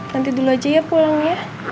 nanti dulu aja ya pulang ya